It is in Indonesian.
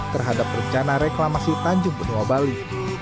terhadap rencana reklamasi tanjung benua bali